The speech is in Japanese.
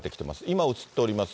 今、映っております